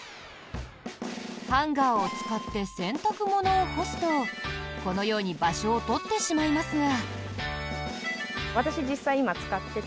ハンガーを使って洗濯物を干すとこのように場所を取ってしまいますが。